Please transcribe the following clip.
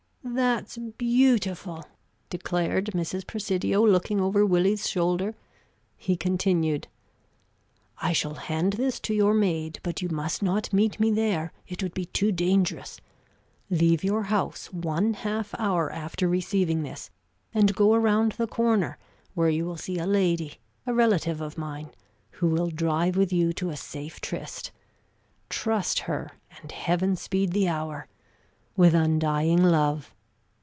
"That's beautiful!" declared Mrs. Presidio, looking over Willie's shoulder. He continued: "I shall hand this to your maid; but you must not meet me there; it would be too dangerous. Leave your house one half hour after receiving this, and go around the corner where you will see a lady, a relative of mine, who will drive with you to a safe tryst. Trust her, and heaven speed the hour! With undying love.